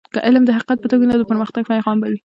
که علم د حقیقت په توګه وي نو د پرمختګ پیغام به وي.